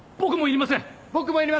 僕もいりません！